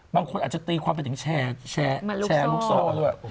บางคนอาจจะตีความไปถึงแชร์ลูกโซ่ด้วย